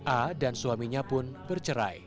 a dan suaminya pun bercerai